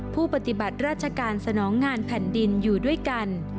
ผู้ปฏิบัติราชการสนองงานแผ่นดินอยู่ด้วยกัน